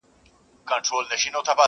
بس همدغه لېونتوب یې وو ښودلی!!..